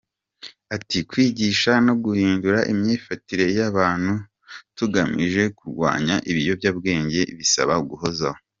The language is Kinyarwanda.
Ati “Kwigisha no guhindura imyifatire y’abantu tugamije kurwanya ibiyobyabwenge bisaba guhozaho.